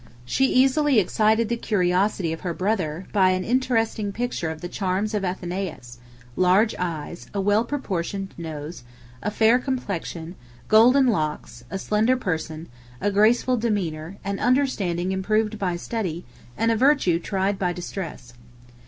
She easily excited the curiosity of her brother, by an interesting picture of the charms of Athenais; large eyes, a well proportioned nose, a fair complexion, golden locks, a slender person, a graceful demeanor, an understanding improved by study, and a virtue tried by distress.